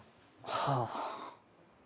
はあ。